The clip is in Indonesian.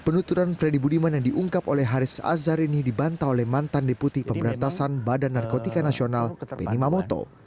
penuturan freddy budiman yang diungkap oleh haris azhar ini dibantah oleh mantan deputi pemberantasan badan narkotika nasional benny mamoto